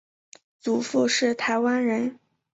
祖父是台湾人。